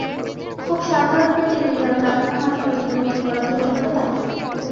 খুব সাধারণ পেটের পীড়ার কারণেও হাসপাতালে ভর্তি করাতে হতে পারে তাকে।